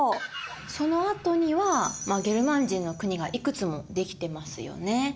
そのあとにはゲルマン人の国がいくつも出来てますよね。